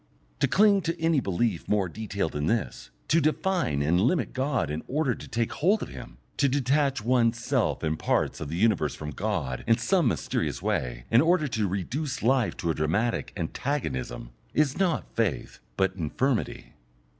To cling to any belief more detailed than this, to define and limit God in order to take hold of Him, to detach one's self and parts of the universe from God in some mysterious way in order to reduce life to a dramatic antagonism, is not faith, but infirmity.